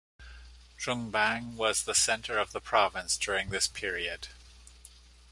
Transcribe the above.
Jungbang was the center of the province during this period.